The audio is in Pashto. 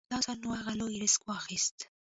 دا ځل نو اغه لوی ريسک واخېست.